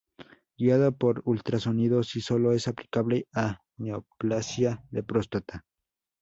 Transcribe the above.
Guiado por ultrasonidos y sólo es aplicable a neoplasia de próstata.